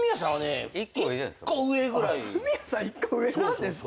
１個上じゃないですか？